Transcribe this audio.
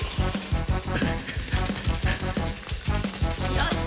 よし！